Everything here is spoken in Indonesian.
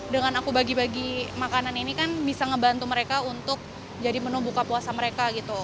dengan aku bagi bagi makanan ini kan bisa ngebantu mereka untuk jadi menu buka puasa mereka gitu